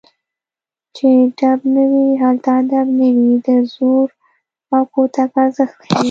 چې ډب نه وي هلته ادب نه وي د زور او کوتک ارزښت ښيي